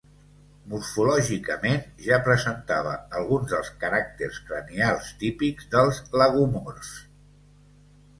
Morfològicament, ja presentava alguns dels caràcters cranials típics dels lagomorfs.